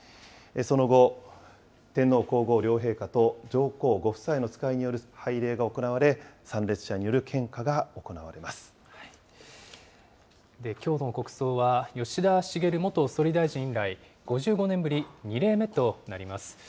その後、天皇皇后両陛下と上皇ご夫妻の使いによる拝礼が行われ、参列者にきょうの国葬は、吉田茂元総理大臣以来、５５年ぶり２例目となります。